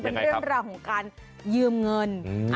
เป็นเรื่องราวของการยืมเงิน